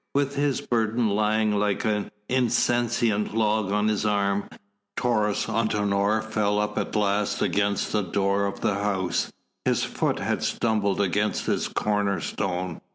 With his burden lying like an insentient log on his arm, Taurus Antinor fell up at last against the door of the house; his foot had stumbled against its corner stone.